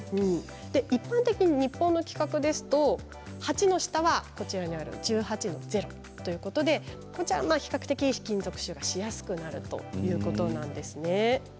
一般的に日本の規格ですと８の下は１８−０ということで比較的、金属臭がしやすくなるということなんですね。